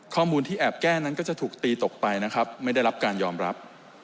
ข้อมูลที่แอบแก้นั้นก็จะถูกตีตกไปนะครับไม่ได้รับการยอมรับ